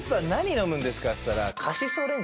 っつったら。